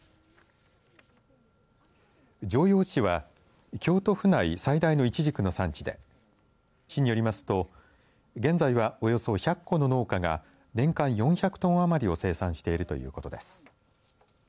城陽市は京都府内最大のいちじくの産地で市によりますと現在はおよそ１００戸の農家が年間４００トン余りを生産しているということです。